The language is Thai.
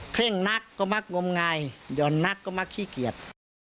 เร่งนักก็มักงมงายห่อนนักก็มักขี้เกียจ